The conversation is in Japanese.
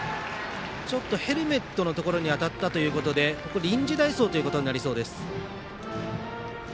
ヘルメットのところに当たったということで臨時代走となりそうです。